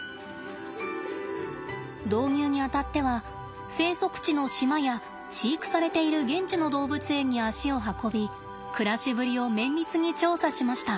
導入にあたっては生息地の島や飼育されている現地の動物園に足を運び暮らしぶりを綿密に調査しました。